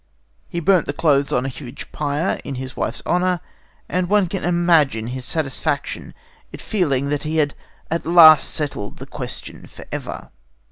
He burnt the clothes on a huge pyre in his wife's honour; and one can imagine his satisfaction at feeling that he had at last settled the question for ever.